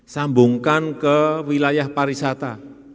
sambungkan ke wilayah pariwisata